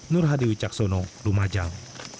nur hadi wicaksono lumajang